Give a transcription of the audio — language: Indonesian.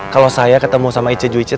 kalau saya ketemu sama ice juice